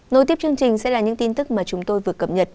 nối tiếp chương trình sẽ là những tin tức mà chúng tôi vừa cập nhật